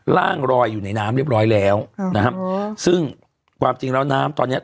รอยอยู่ในน้ำเรียบร้อยแล้วนะครับซึ่งความจริงแล้วน้ำตอนเนี้ย